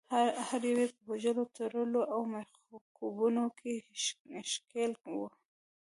هر یو یې په وژلو، تړلو او میخکوبونو کې ښکیل وو.